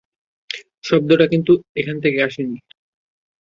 শব্দটা কিন্তু এখান থেকে আসেনি।